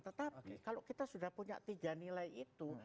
tetapi kalau kita sudah punya tiga nilai itu